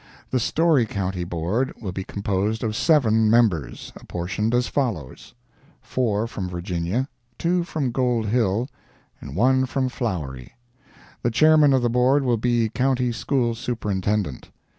The Storey county Board will be composed of seven members, apportioned as follows: Four from Virginia, two from Gold Hill, and one from Flowery. The Chairman of the Board will be County School Superintendent.